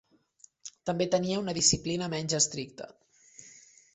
També tenia una disciplina menys estricta.